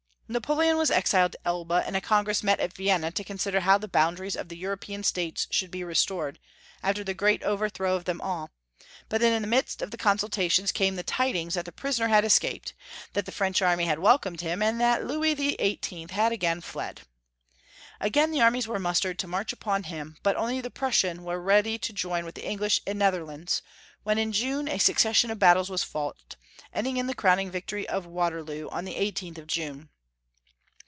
Napoleon was exiled to Elba, and a Congress met at Vienna to consider how the boundaries of the European states should be restored, after the great overthrow of them all ; but in the midst of 462 Toung Folki'^ History of Q ermany. the consultations came the tidings that the prisoner had escaped, that the French army had welcomed him, and that Louis the XVIII. had again fled. Again the armies were mustered to march upon him, but only the Prussian was ready to join with the English in the Netherlands, where in June a succession of battles was fought, endmg in the crowning victory of Waterloo on the 18th of June.